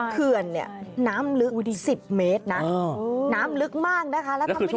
เขื่อนเนี่ยน้ำลึก๑๐เมตรนะน้ำลึกมากนะคะแล้วทำให้